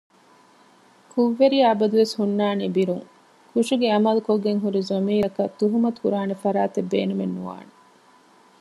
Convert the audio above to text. ކުށްވެރިޔާ އަބަދުވެސް ހުންނާނީ ބިރުން ކުށުގެ ޢަމަލު ކޮށްގެންހުރި ޟަމީރަކަށް ތުހުމަތުކުރާނެ ފަރާތެއް ބޭނުމެއް ނުވާނެ